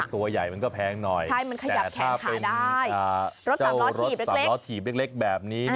ตัวใหญ่มันก็แพงหน่อยแต่ถ้าเป็นเจ้ารถสามล้อถีบเล็กแบบนี้